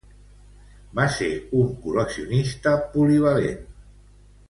Va ser un col·leccionista polivalent.